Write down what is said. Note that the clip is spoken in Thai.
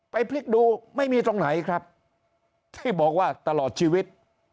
ไปพลิกดูไม่มีตรงไหนครับที่บอกว่าตลอดชีวิต